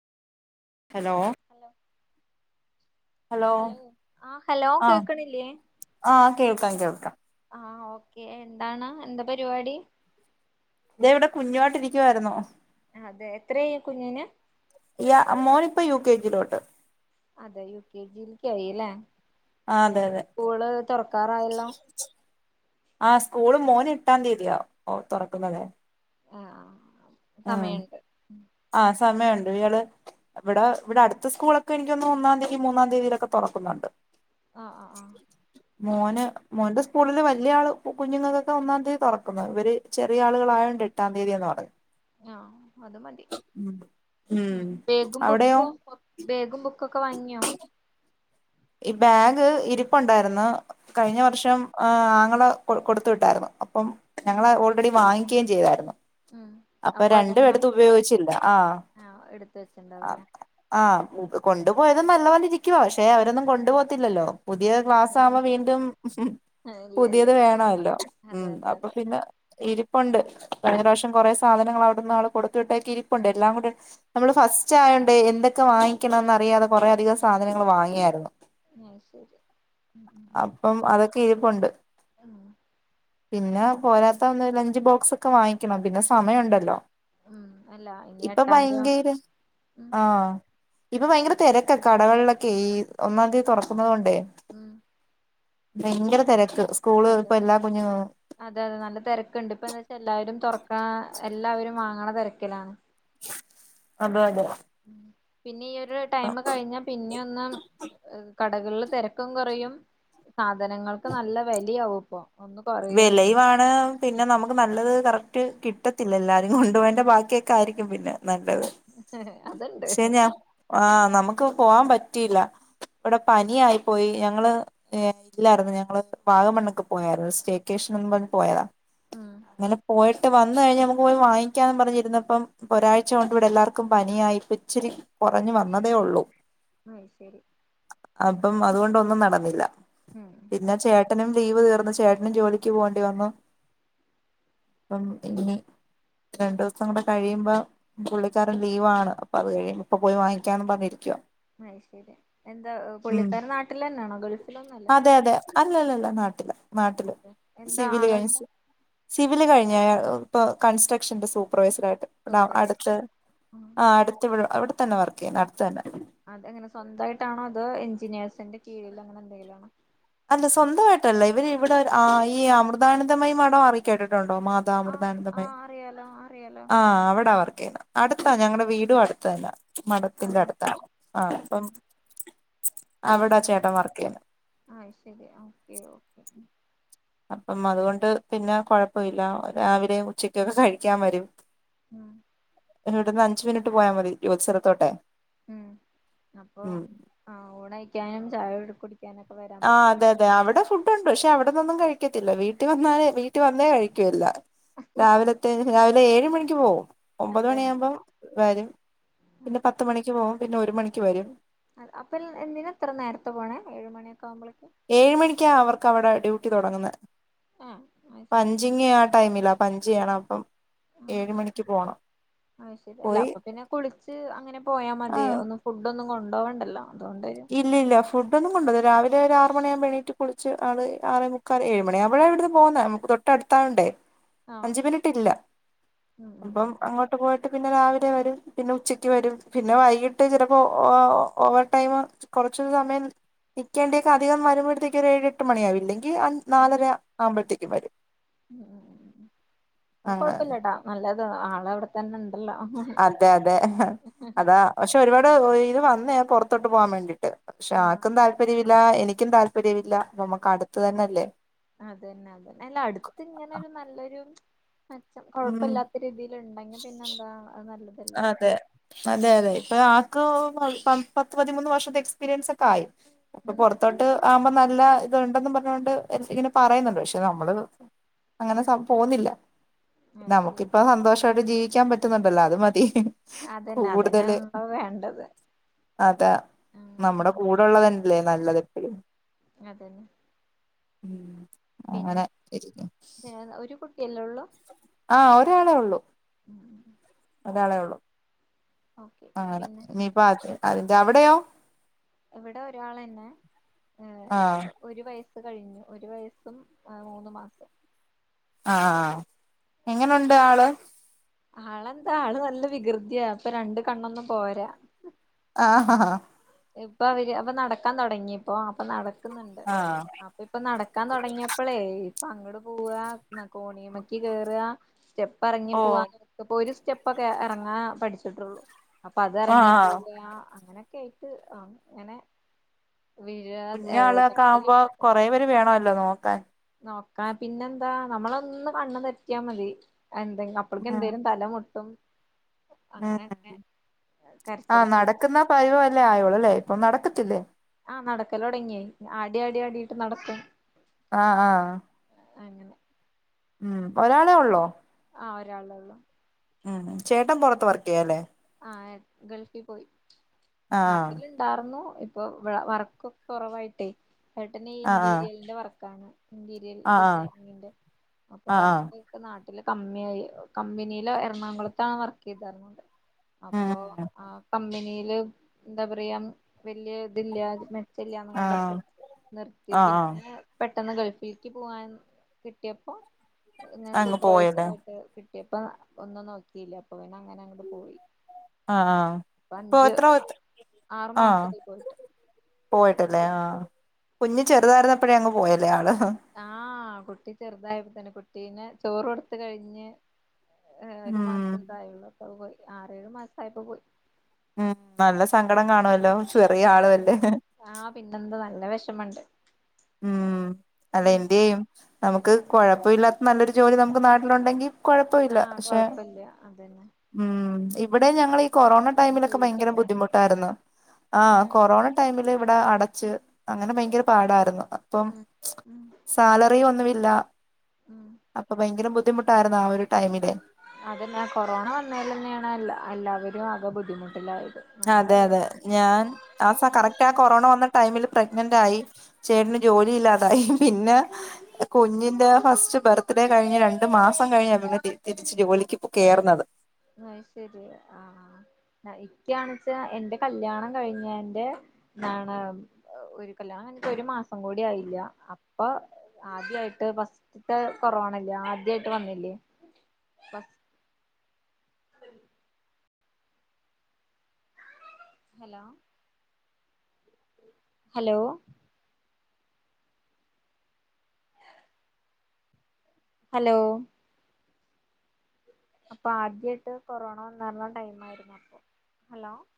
Hello. Hello hello ആഹ് hello ആഹ് കേക്ക്ണില്ലെ. ആഹ് കേൾക്കാം. കേൾക്കാം. ആഹ് ഓക്കേ. എന്താണ് എന്താ പരിപാടി. തേ ഇവിടെ കുഞ്ഞുവാട്ടിരിക്കുവായിരുന്നു. അതെ. എത്ര ആയി കുഞ്ഞിന്. ഇല്ല മോന് ഇപ്പം യു കെ ജി യിലോട്ട്. അതെ. യു കെ ജി യിൽ കായില്ലെ. ആഹ് അതെ അതെ സ്കൂള് തൊറക്കാറായല്ലോ. ആഹ് സ്കൂള് മോന് എട്ടാം തീയതിയാ തുറക്കുന്നതെ. ആഹ് ആഹ് ആ സമയണ്ട് ഇയാള്. ഇവിടെ ഇവിടെ അടുത്ത സ്കൂളൊക്കെ എനിക്കൊന്ന് ഒന്നാം തീയതി മൂന്നാം തീയതിയിലൊക്കെ തൊറക്കുന്നുണ്ട്. ആഹ് ആഹ് ആഹ് മോന്. മോന്റെ സ്കൂളില് വല്യ ആള് കുഞ്ഞുങ്ങൾക്കൊക്കെ ഒന്നാം തീയതി തൊറക്കുന്നത്. ഇവര് ചെറിയ ആളുകളായോണ്ട്. എട്ടാം തീയ്യതീന്ന് പറയും. ആഹ് അത് മതി. ഉം ബേഗും, അവിടെയോ ബുക്കും ബേഗും ബുക്കൊക്കെ വാങ്ങ്യാെ. ഈ ബാഗ് ഇരിപ്പുണ്ടായിരുന്നു. കഴിഞ്ഞ വർഷം. ആഹ് ആങ്ങള കൊ കൊടുത്ത വിട്ടായിരുന്നു. അപ്പം ഞങ്ങള് ഓൾറെഡി വാങ്ങിക്കുകയും ചെയ്തായിരുന്നു. ഉം അപ്പൊ രണ്ടും ഒരെണ്ണം അടുത്ത് ഉപയോഗിച്ചില്ല ആഹ്. ആ എടുത്ത് വെച്ചിണ്ടാവൂലേ ആഹ്കൊണ്ടുപോയത് നല്ലപോലെ ഇരിക്കുവ. പക്ഷെ അവരൊന്നും കൊണ്ടു പോകത്തില്ലല്ലോ. പുതിയ ക്ലാസ് ആവുമ്പോ വീണ്ടും. ഇല്ല ഇല്ല പുതിയത് ഇല്ല വേണെല്ലോ. അതെ ഉം അതെ അപ്പൊ അതെ പിന്നെ. ഇരിപ്പുണ്ട്. കഴിഞ്ഞ പ്രാവിശ്യം കൊറേ സാധനങ്ങള് അവിടെന്ന് ആള് കൊടുത്ത വിട്ടേക്ക് ഇരിപ്പുണ്ട് എല്ലാം കൂടി നമ്മള് ഫസ്റ്റ് ആയോണ്ടെ എന്തൊക്കെ വാങ്ങിക്കണംന്ന് അറിയാതെ കൊറേ അധികം സാധനങ്ങൾ വാങ്ങിയായിരുന്നു. അഹ് ശെരി ഉം ഉം അപ്പം അതൊക്കെ ഇരിപ്പുണ്ട്. ഉം പിന്നെ പോരാത്ത ഒന്ന് ലഞ്ച് ബോക്സ് ഒക്കെ വാങ്ങിക്കണം. പിന്നെ സമയം ഉണ്ടല്ലൊ. ഉം അല്ല ഇനി ഇപ്പൊ എട്ടാംതി ഭയങ്കേര ഉം ആഹ്. ഇപ്പൊ ഭയങ്കര തെരക്ക. കടകളിലൊക്കെ ഈ ഒന്നാം തീയതി തൊറക്കുന്നത് കൊണ്ടേ. ഉം ഭയങ്കര തെരക്ക് സ്കൂള് അതെ ഇപ്പ എല്ലാ കുഞ്ഞ് അതെ അതെ നല്ല തിരക്ക്ണ്ട്. ഇപ്പ എന്താ വെച്ചാ എല്ലാവരും തുറക്കാ എല്ലാവരും വാങ്ങ്ണ തെരക്കിലാണ്. അതെ അതെ പിന്നെ ഈ ഒരു ടൈമ് കഴിഞ്ഞ പിന്നെ ഒന്ന് കടകളില് തെരക്കും കൊറയും. സാധനങ്ങൾക്ക് നല്ല വെലി ആവുംഇപ്പൊ. വെലയുംആണൊ. പിന്നെ നമുക്ക് നല്ലത് കറക്റ്റ് കിട്ടത്തില്ലല്ല. എല്ലാരും കൊണ്ടുപോയെന്റെ ബാക്കിയൊക്കെ ആയിരിക്കും പിന്നെ. നല്ലത്. അതുണ്ട് ശേ ഞാൻ ആ നമുക്ക് പോവാൻ പറ്റിയില്ല. ഇവിടെ പനി ആയി പോയി. ഞങ്ങള് ഇല്ലായിരുന്നു ഞങ്ങള് വാഗമണ്ണ്ക്ക് പോയായിരുന്നു. [unintelligible] ക്കേഷ്ണ പറഞ്ഞ് പോയതാ. ഉം അങ്ങനെ പോയി ഇട്ട് വന്ന് കഴിഞ്ഞാ നമുക്ക് പോയി വാങ്ങിക്കാന്ന് പറഞ്ഞിരുന്നപ്പം ഒരാഴ്ച കൊണ്ട് ഇവിടെ എല്ലർക്കും പനിയായി ഇപ്പച്ചിരി. കൊറഞ്ഞു വന്നതേ ഒള്ളു. അത് ശരി അപ്പം അതുകൊണ്ടൊന്നും നടന്നില്ല. ഉം പിന്നെ ചേട്ടനും ലീവ് തീർന്ന് ചേ ജോലിക്ക് പോകേണ്ടി വന്നു അപ്പം ഇ രണ്ടുസം കൂടെ കഴിയുമ്പോ പുള്ളിക്കാരൻ ലീവാണ് അപ്പൊ അത് കഴിയ ഇപ്പൊ പോയി വാങ്ങിക്കാന്ന് പറഞ്ഞിരിക്കുവോ അയ് ശരി എന്താ പുള്ളിക്കാര നാട്ടിൽ തന്നെയാണോ ഗൾഫിലൊന്നുല്ലല്ലോ അതെ അതെ അല്ലല്ലല്ല നാട്ടില നാട്ട പിന്നെ സിവിില് കഴി സ് സിവിില് കഴിഞ്ഞ ഇപ്പ കൺസ്ട്രക്ഷന്റെ സൂപ്പർവൈസർ ആയിട്ട് ഇവിട സൂപ്പർവൈസർ അടുത്ത് ഉം ആ് അടുത്ത് ഇവിടെ തന്നെ വർക്ക് യ്യുന്നു അടു തന്നെ അതെങ്ങനെ സ്വന്തമായിട്ടാണോ അത് എഞ്ചിനീയേഴ്സിന്റെ കീഴിൽ അങ്ങനെ എന്തെങ്കിലാണോ അല്ല സ്വന്തമായിട്ടല്ല ഇവര് ഇവിടെ ആ ഈ അമൃതാനന്ദമായി മടം അറി കേട്ടിട്ടുണ്ടോ മാ ആഹ് താമൃതാനന്ദമേ ആഹ് അറിയാലോ അറിയാലോ ആഹ് അവിട വർക്കയ് ന്നെ അടുത്താ ഞങ്ങളടെ വീടും അടുത്തന്ന മഠത്തിന്റെ അതെ അടുത്താ ആ അതെ അപ്പം അവിടാ ചേട്ടൻ വർക്കയ്ണ് ആഹ ശരി ഓക്കെ ഓക്കെ അപ്പം അതുകൊണ്ട് പിന്നെ കൊഴപ്പമില്ല രാവിലെയും ഉച്ചക്കൊക്കെ കഴിക്കാൻ വരും ഉം വിടുന്ന് അഞ്ച് മിനിട്ട് പോയാൽ മതി്യോത്സഥലത്തോട്ടെ ഉ അപ്പോആ ഹ ഊണയ്ക്കാനും ചായ കുടിക്കാനൊക്കെ വരാ ആഹഅതെ അതെ അവിടെ ഫുഡ്ണ്ട് പക്ഷെ അവിടന്നൊന്നും കഴിക്കത്തില്ല വീട്ടിൽ വന്നാല വീട്ടിൽ വന്നേ കഴിക്കൂല്ല രാവിലത്തെ രാവിലെ ഏഴ് മണിക്ക് പോവും ഒമ്പത് അതെ മണിാകുമ്പോം വരും പിന്നെ പത്ത് മണിക്ക് പോകും പിന്നെ ഒരു മണിക്ക് വരും അ അപ്പൊ എന്തിനാ ഇത്ര നേരത്തെ പോണേ ഏഴുമ മണിയൊക്കെ ആവുമ്പോഴേക്ക് ഏഴ് മണിക്കാ അവർക്ക് അവിടെ ഡ്യൂട്ടി തുടങ്ങുന്നത് ആഹ് അത് ശരി പഞ്ചിങ്ങ ടൈമില്ല പഞ്ച്യണണം അപ്പം ആ ഏഴ് മണിക്ക് പോണം ഹ അയ്ശരി അല്ല പോയി അപ്പൊ പിന്നെ കുളിച്ച് അങ്ങനെ പോയാ ആഹ് മതിയ ഒന്ന് ഫുഡ് ഒന്നും കൊണ്ടോ വണ്ടല്ലോ അതൊണ്ടെ ഇല്ലില്ല ഫുഡ്ന്നുംണ്ട അത് രാവിലെ ഒരു ആ റുമണിയകുമ്പേണീട്ട് കുളിിച്ചആ റെ മുക്കാൽ ഏഴേ മണിയാഴുമ്പേ ഴെ ഇവിന്ന് പോകുന്നെ തൊട്ടടുത്താവണ്ടേ ആഹ് അഞ്ച മിനിട്ട ഇല്ല ഉം ഉം അപ്പം അങ്ങോട്ട് തട്ട് പോയിട്ട് പിന്നെ രാവിലെ വരും പിന്നെ ഉച്ചക്ക് വരും പിന്നെ വൈകിട്ട് ചിലപ്പോ ഓവർ ടൈം കുറച്ച സമയം നൽേണ്ടിയൊക്കെ അധികം വരുമ്പോഴത്തേക്ക് ഒരു ഏഴ് എട്ട് മണിയ ആാവില്ലെങ്കിൽ നാലര ആ്പോഴത്തേക്കും വരും ഉ അങ്ങനെ കൊഴപ്പില്ലട്ടാ നല്ലത് ആള അവിടെത്തന്നെ ഉണ്ടല്ലാ അതെ അതെ അതാ പക്ഷെ ഒരുപാട് ഇത് വന്നേ പുറത്തോട്ട് പോകാൻ വേണ്ടീട്ട് പക്ഷെ ആക്കും താല്പര്യം ല്ല എനിക്കും താല്പര്യമില്ല നമുക്ക് അടുത്ത് തന്നെല്ലേ അതന്നെ എല്ലാ അടുത്ത് ഇങ്ങനെരു നല്ലൊരു അച്ചം ഉം കൊഴപ്പല്ലാത്ത രീതി ല് ഉണ്ടെങ്കിൽ പിന്നെ എന്താ നല്ലതല്ലോ അതെ അതെ അതെ ഇപ്പൊ ആക്ക് പത്ത് പതിമൂന്ന് വർഷത്തെ എക്സ്പീരിയൻസ് ഒക്കെ ആയി ഇപ്പൊ ഉം പൊറത്തോട്ട് ആവുമ്പോ നല്ല ഇത്ണ്ടെന്ന് പറഞ്ഞോണ്ട് ഇങ്ങനെ പറയുന്നുണ്ട് പക്ഷെ നമ്മള് അങ്ങനെ സം പോുന്നില്ല അത് ശരി നമുക്കിപ്പോ സന്തോഷമായിട്ട് ജീവിക്കാൻ പറ്റുന്നുണ്ടല്ലോ അത് മതി അതന്നെ കൂടുതല് അതന്നെയള്ളോ വേണ്ടത് അതാ ഉം നമ്മുടെ കൂടെള്ളതല്ലേ നല്ലത് അതന്നെ അങ്ങനെ ശരിക് [unintelligible] ഏ ഒരു കുട്ടിയല്ലേ ഒള്ളൂ ആഹ് ഒരാളെ ഉള്ളൂ ഒരാളേ ഉള്ളു ഓക്കെ ആണ് പിന്നെ നീ പാ ത്ത് അവിടെയോ ഇവിടെ ഒരാളെന്നെ ഏഹ് ആ ഹ് ഒരു വയസ്സ് കഴിഞ്ഞു ഒരു വയസ്സും മൂന്ന് മാസും ആ എങ്ങനുണ്ട് ആള് ആളെന്താ ആള് നല്ല വികൃതിയ ഇപ്പൊ രണ്ട് കണ്ണൊന്നും പോരാ ആഹ ആഹാ ഇപ്പൊ അവര് അപ്പ നടക്കാൻ തുടങ്ങിയപ്പോ അപ്പൊ നടക്കുന്നുണ്ട് ആ ആ. അപ്പൊ ഇപ്പൊ നടക്കാൻ തുടങ്ങിയ അപ്പളേ ഇപ്പ അങ്ങോട്ട് പോവാ കോണീ മ്മക്ക് കേറാ സ്റ്റെപ്പ് അറങ്ങി ഓ പോവാ ഇപ്പൊ ഒരു സ്റ്റെപ്പൊക്കെ ഇറങ്ങാ പഠിച്ചിട്ടുള്ളൂ അപ്പൊ അത് അറങ്ങിയ ആഹ് പോയാ അങ്ങനെയൊക്കെ ആഹ് അങ്ങനെ വീഴാ ഏ കുഞ്ഞാളൊക്കെ ആവുമ്പോ കൊറേ [unintelligible] വേണല്ലോ നോക്കാൻ നോക്കാ പിന്നെന്താ നമ്മള ഒന്ന് കണ്ണ് തെറ്റിയാ മതി [unintelligible] അപ്പഴക്കും ഉം എന്തേലും തല മുട്ടും ഉം അങ്ങനെ അങ്ങനെ ആഹ് കരച്ചിലും നടക്കുന്ന പിരിച്ചിലും പതിവ് അല്ലേ ആയോള്ളു ഇപ്പൊ നടക്കത്തില്ലേ ആഹ് നടക്കല് തൊടങ്ങി ആടി ആടി ആടിയിട്ട് നടക്കും ആഹ ആഹ അങ്ങനെ ഉം ഒരാളെ ഒള്ളോ ആഹ് ഒരാളെ ഒള്ളൂ ഉം ചേട്ടൻ പുറത്ത് വർക്ക് ചെയ്യല്ലേ ആഹ് ഗൾഫിൽ പോയി ആഹ് നാട്ടില് ഉണ്ടാർന്നു ഇപ്പൊ വർക്ക്ഒക്കെ കുറവായിട്ടേ ഏട്ടനെ ഈ ആഹ് ഇന്റീരിയലി ന്റെ വർക്കാണ് ഇന്റീരിയൽ ആഹ് ഡിസൈനിങ്ങിന്റെ അപ്പൊ ആഹ് ആഹ് വർക്ക് ഇപ്പോ നാട്ടിൽ കമ്മിയായി കമ്പനിയിൽ എറണാകുളത്താണ് വർക്ക് ചെയ്താർന്നത് അപ്പോ ഉം ആ കമ്പനിയില് എന്താ പറയാ വല്യ ഇതില്ല മെച്ചം ഇല്ലാന്ന് കണ്ടപ്പോ ആഹ് നിർത്തി ആഹ് ആഹ് പിന്നെ പെട്ടെന്ന് ഗൾഫിലേക്ക് പോവാൻ കിട്ടിയപ്പോൾ ഇങ്ങനെ അങ്ങ് സൂപ്പർവൈസർ പോയല്ലേ ആയിട്ട് കിട്ടിയപ്പോ ഒന്നും നോക്കിയില്ല അപ്പൊ പിന്ന അങ്ങനെ അങ്ങോട്ട് പോയി ആഹ് ആഹ് ഇപ്പൊ അഞ്ച് ആറു ആഹ് മാസായി പോയിട്ട് പോയിട്ടല്ലേ ആഹ് കുഞ്ഞ് ചെറുതായിരുന്നപ്പഴേ അങ്ങു പോയല്ലേ ആള് ആഹ് കുട്ടി ചെറുതായപ്പോ തന്നെ കുട്ടീനെ ചോറ് കൊടുത്തു കഴിഞ്ഞ് ഏഹ് ഒരു ഉം മാസംന്ത ആയള്ളൂ അപ്പ പോയി ആറേഴു മാസംയപ്പോ പോയി ഉം നല്ല സങ്കടം കാണുമല്ലോ ആഹ് ആഹ് പിന്നെന്താ നല്ല വിഷമണ്ട് ഉം അല്ല എന്ത്‌യും നമുക്ക് കൊഴപ്പമില്ലാത്ത നല്ലൊരു ജോലി നമുക്ക് നാട്ടിലുണ്ടെങ്കിൽ കൊഴപ്പ ഇല്ല ആഹ് പക്ഷെ കൊഴപ്പില്ല അതന്നെ ഉം ഇവിടെ ഞങ്ങള ഈ കൊറോണ പിന്നെ ടൈമിലൊക്കെ ഭയങ്കര ജീവിക്കണ്ടേ ബുദ്ധിമുട്ടായിരുന്നു ആഹ് ഉം കൊറോണ ടൈമില് ഇവിടെ അടച്ച് അങ്ങനെ ഭയങ്കര പാടായിരുന്നു അപ്പം ഉം ഉം സാലറി ഒന്നുമില്ല ഉം അപ്പൊ ഭയങ്കര ബുദ്ധിമുട്ടായിരുന്നു ആഹ് ഒരു ടൈമില് അതെന്നെ കൊറോണ വന്നയിൽ തന്നെയാണ്ല്ലാവരും അകെ ബുദ്ധിമുട്ടിലായത് അതെ അതെ ഞാൻ ആസ കറക്റ്റ് ആ കൊറോണ വന്ന ടൈമിൽ പ്രഗ്നന്റ് ആയി ചേട്ടന് ജോലി ഇല്ലാതായി പിന്നെ കുഞ്ഞിന്റെ ഫസ്റ്റ് ബർത്ത് ഡേ കഴിഞ്ഞ് രണ്ടു മാസം കഴിഞ്ഞെ തിരിച്ചു ജോലിക്ക് കേറുന്നത് അഹ് ശരി ആഹ ഇന്ക്കാണച്ചാ എന്റെ കല്യാണം കഴിഞ്ഞന്റെ എന്താണ് ഒരു കല്യാണം കഴിഞ്ഞിട്ട് ഒരു മാസം കൂടി ആയില്ല അപ്പൊ ആദ്യായിട്ട് ഫസ്റ്റ്ത്തെ കൊറോണല്ലേ ആദ്യായിട്ട് വന്നില്ലേ ഫസ് ഹലോ. ഹലോ. ഹലോ. അപ്പൊ ആദ്യയിട്ട് കൊറോണ വന്നർന്ന ടൈം ആയിരുന്നു അപ്പൊ ഹലോ.